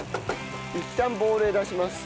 いったんボウルへ出します。